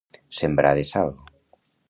Sembrar de sal.